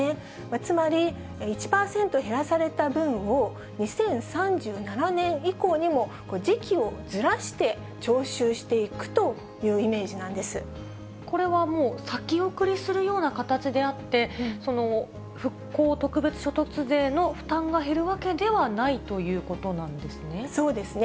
つまり、１％減らされた分を、２０３７年以降にも時期をずらして徴収していくというイメージなこれはもう、先送りするような形であって、復興特別所得税の負担が減るわけではないということなんですね。